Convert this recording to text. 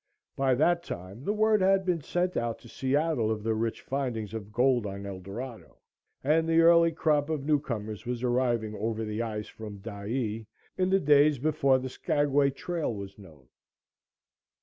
By that time the word had been sent out to Seattle of the rich findings of gold on Eldorado, and the early crop of newcomers was arriving over the ice from Dyea, in the days before the Skagway trail was known.